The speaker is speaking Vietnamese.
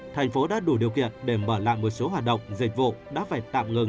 thành phố đã đủ điều kiện để mở lại một số hoạt động dịch vụ đã phải tạm ngừng